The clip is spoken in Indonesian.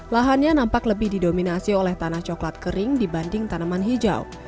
lahannya nampak lebih didominasi oleh tanah coklat kering dibanding tanaman hijau